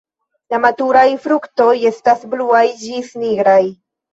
La maturaj fruktoj estas bluaj ĝis nigraj.